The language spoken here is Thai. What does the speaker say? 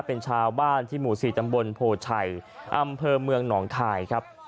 เป็นชาวบ้านที่หมู่๔ตำบลโพชัยอำเภอเมืองหนองคายครับ